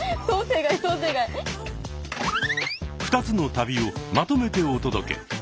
２つの旅をまとめてお届け。